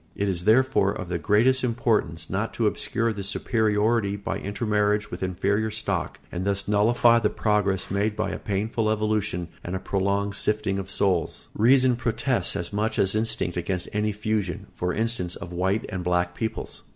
It is therefore of the greatest importance not to obscure this superiority by intermarriage with inferior stock, and thus nullify the progress made by a painful evolution and a prolonged sifting of souls. Reason protests as much as instinct against any fusion, for instance, of white and black peoples.